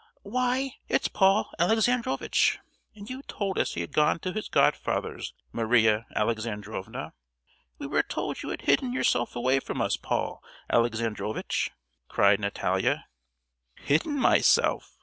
"Why, it's Paul Alexandrovitch! and you told us he had gone to his godfather's, Maria Alexandrovna. We were told you had hidden yourself away from us, Paul Alexandrovitch!" cried Natalia. "Hidden myself?"